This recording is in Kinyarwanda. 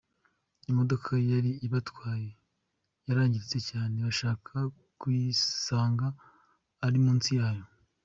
Imodoka yari ibatwaye yarangirtse cyane, Meshak yisanga ari munsi yayo.